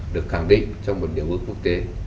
được khẳng định trong một niềm ước quốc tế